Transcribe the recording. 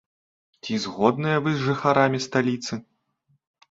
Ці згодныя вы з жыхарамі сталіцы?